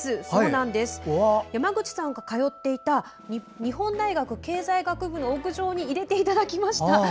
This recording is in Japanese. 山口さんが通っていた日本大学経済学部の屋上に入れていただきました。